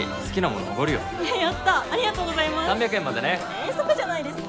遠足じゃないですか。